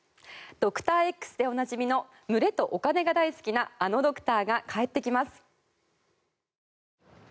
「ドクターＸ」でおなじみの群れとお金が大好きなあのドクターが帰ってきます。